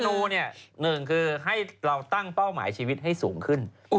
นูเนี่ยหนึ่งคือให้เราตั้งเป้าหมายชีวิตให้สูงขึ้น